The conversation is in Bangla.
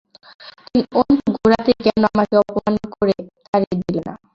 অন্তু, গোড়াতেই কেন আমাকে অপমান করে তাড়িয়ে দিলে না?